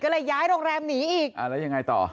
ก็เลยย้ายโรงแรมหนีอีกอ่าแล้วยังไงต่อ